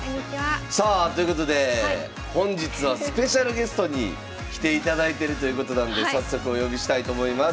さあということで本日はスペシャルゲストに来ていただいてるということなんで早速お呼びしたいと思います。